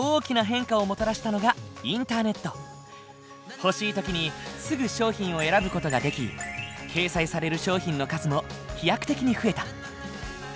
欲しい時にすぐ商品を選ぶ事ができ掲載される商品の数も飛躍的に増えた。